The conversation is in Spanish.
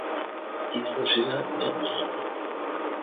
Universidad de Miami.